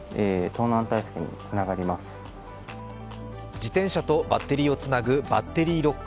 自転車とバッテリーをつなぐバッテリーロック。